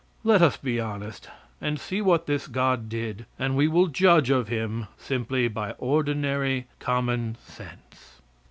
Let us be honest, and see what this God did, and we will judge of Him simply by ordinary common sense.